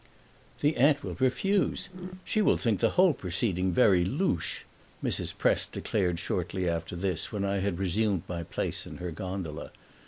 "The aunt will refuse; she will think the whole proceeding very louche!" Mrs. Prest declared shortly after this, when I had resumed my place in her gondola.